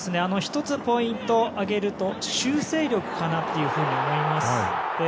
１つポイントを挙げると修正力かなというふうに思います。